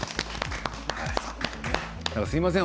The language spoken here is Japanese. すみません。